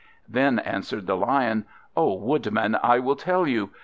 Then answered the Lion, "O Woodman, I will tell you.